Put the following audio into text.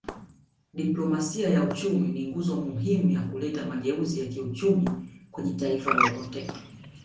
Diplomasia ya uchumi ni nguzo muhimu ya kuleta mageuzi ya kiuchumi kwenye Taifa lolote